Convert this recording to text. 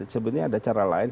sebetulnya ada cara lain